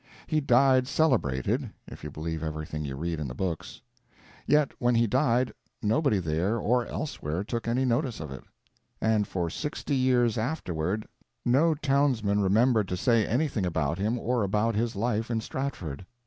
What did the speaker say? He died celebrated (if you believe everything you read in the books). Yet when he died nobody there or elsewhere took any notice of it; and for sixty years afterward no townsman remembered to say anything about him or about his life in Stratford.